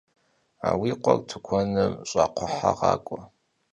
Vui khuer tıkuenım ş'akxhuehe ğak'ue.